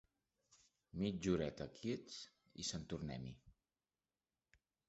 Mitja horeta quiets i sant tornem-hi.